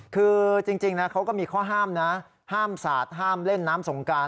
คือจริงนะเขาก็มีข้อห้ามนะห้ามสาดห้ามเล่นน้ำสงการ